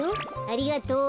ありがとう。